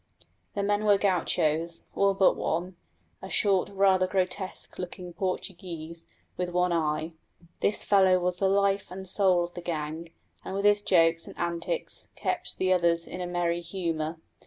The men were gauchos, all but one a short, rather grotesque looking Portuguese with one eye. This fellow was the life and soul of the gang, and with his jokes and antics kept the others in a merry humour.